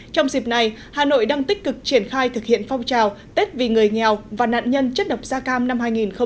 trong dịp này hà nội đang tích cực triển khai thực hiện phong trào tết vì người nghèo và nạn nhân chất độc da cam năm hai nghìn một mươi chín